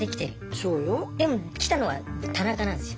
そうよ。でも来たのは田中なんですよ。